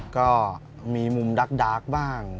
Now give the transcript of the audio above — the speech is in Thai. ก็มีมุมดักบ้าง